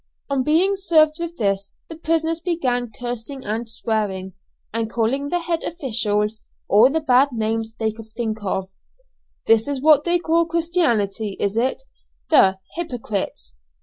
On being served with this, the prisoners began cursing and swearing, and calling the head officials all the bad names they could think of: "This is what they call Christianity, is it, the hypocrites?